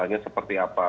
tanya seperti apa